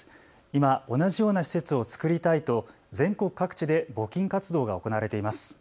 今、同じような施設を作りたいと全国各地で募金活動が行われています。